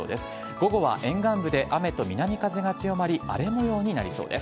午後は沿岸部で雨と南風が強まり、荒れ模様になりそうです。